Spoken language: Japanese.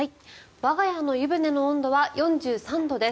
我が家の湯船の温度は４３度です。